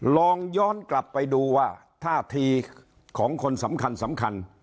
ลองย้อนกลับไปดูว่าท่าทีของคนสำคัญสำคัญ